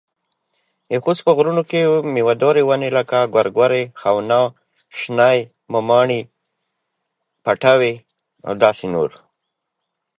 که غواړې راتلونکي نسلونه مو په درناوي ياد کړي.